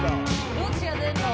どっちが出んの？